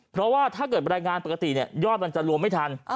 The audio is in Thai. เพราะว่าถ้าเกิดรายงานปกติยอดมันจะรวมไม่ทัน